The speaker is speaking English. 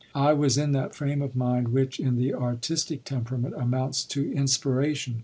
I was in that frame of mind which, in the artistic temperament, amounts to inspiration.